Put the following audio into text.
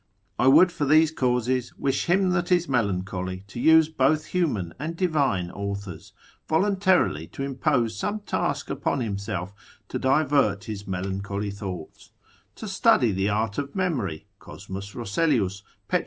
I would for these causes wish him that, is melancholy to use both human and divine authors, voluntarily to impose some task upon himself, to divert his melancholy thoughts: to study the art of memory, Cosmus Rosselius, Pet.